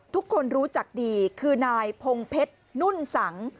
ทุกคนรู้จักดีคือนายพงเพชรนุ่นสัง